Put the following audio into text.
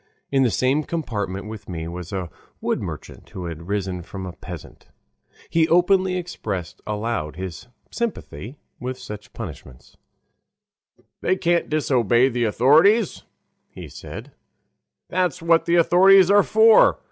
In the same compartment with me was a wood merchant, who had risen from a peasant. He openly expressed aloud his sympathy with such punishments. "They can't disobey the authorities," he said; "that's what the authorities are for.